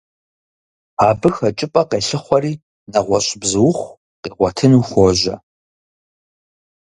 Абы хэкӀыпӀэ къелъыхъуэри нэгъуэщӀ бзуухъу къигъуэтыну хуожьэ.